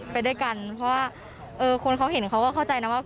ไปด้วยกันเพราะว่าคนเขาเห็นเขาก็เข้าใจนะว่า